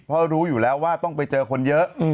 เพราะรู้อยู่แล้วว่าต้องไปเจอคนเยอะ